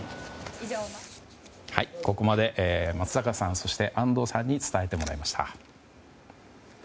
ここまで松坂さん、そして安藤さんに伝えてもらいました。